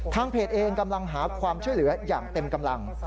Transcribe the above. เพจเองกำลังหาความช่วยเหลืออย่างเต็มกำลัง